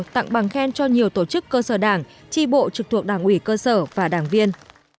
tặng bằng khen cho nhiều tổ chức cơ sở đảng tri bộ trực thuộc đảng ủy cơ sở và đảng viên